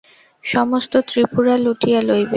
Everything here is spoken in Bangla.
সমস্ত ত্রিপুরা লুঠিয়া লইবে।